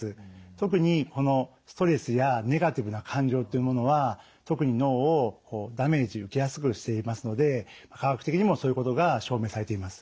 特にストレスやネガティブな感情っていうものは特に脳をダメージ受けやすくしていますので科学的にもそういうことが証明されています。